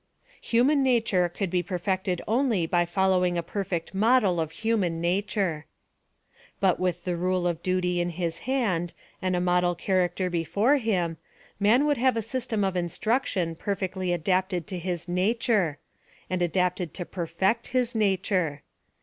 Human nature could be perfected only by following a perfect mo del of hum, an nature. But, with the rule of duty in his hand, and a model character before him, man would have a system of instruction perfectly adapted to his nature: and adapted to perfect his nature.